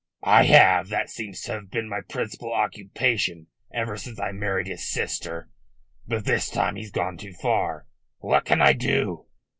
"I have. That seems to have been my principal occupation ever since I married his sister. But this time he's gone too far. What can I do?"